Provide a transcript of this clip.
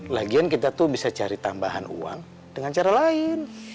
lagian kita tuh bisa cari tambahan uang dengan cara lain